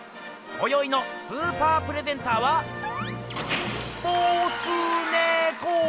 こよいのスーパープレゼンターはボスネコー！